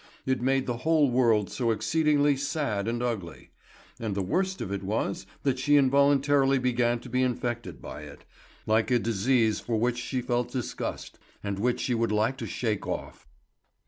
It made the whole world so exceedingly sad and ugly; and the worst of it was that she involuntarily began to be infected by it, like a disease for which she felt disgust, and which she would like to shake off.